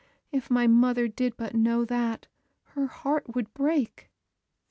If my mother did but know that, her heart would break."